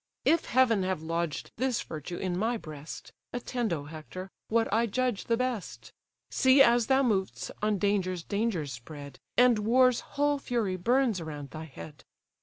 If Heaven have lodged this virtue in my breast, Attend, O Hector! what I judge the best, See, as thou mov'st, on dangers dangers spread, And war's whole fury burns around thy head.